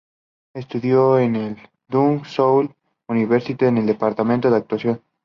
Estudió en el "Dong Seoul University" en el departamento de actuación.